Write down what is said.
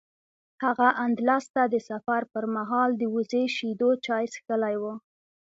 هغه اندلس ته د سفر پر مهال د وزې شیدو چای څښلي و.